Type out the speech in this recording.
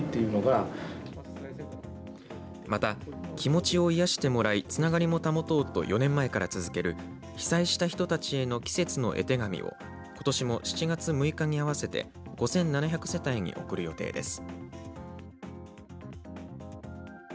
また、気持ちを癒やしてもらいつながりも保とうと４年前から続ける被災した人たちへの季節の絵手紙をことしも７月６日に合わせて５７００世帯に送る予定です。